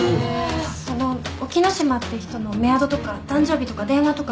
その沖野島って人のメアドとか誕生日とか電話とか分かれば。